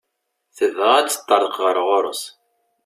Tebɣa ad teṭṭerḍeq ɣer ɣur-s.